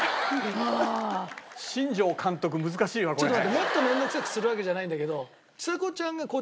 もっと面倒くさくするわけじゃないんだけど。